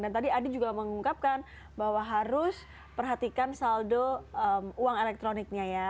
dan tadi adi juga mengungkapkan bahwa harus perhatikan saldo uang elektroniknya ya